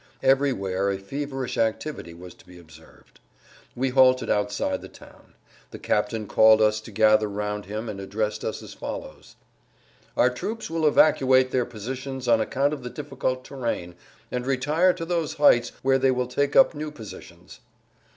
Everywhere a feverish activity was to be observed. We halted outside the town. The captain called us to gather round him and addressed us as follows: "Our troops will evacuate their positions on account of the difficult terrain, and retire to those heights where they will take up new positions."